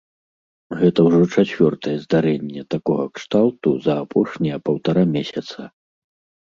Гэта ўжо чацвёртае здарэнне такога кшталту за апошнія паўтара месяца.